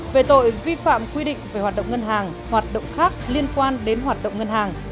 về tội vi phạm quy định về hoạt động ngân hàng hoạt động khác liên quan đến hoạt động ngân hàng